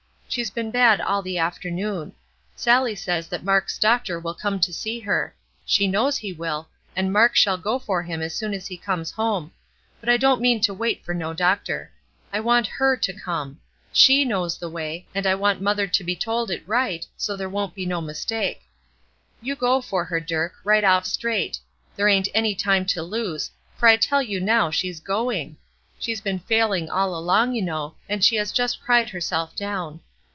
She's been bad all the afternoon. Sallie says that Mark's doctor will come to see her, she knows he will, and Mark shall go for him as soon as he comes home; but I don't mean to wait for no doctor. I want her to come. She knows the way, and I want mother to be told it right, so there won't be no mistake. You go for her, Dirk, right off straight. There ain't any time to lose, for I tell you now she's going. She's been failing all along, you know, and she has just cried herself down.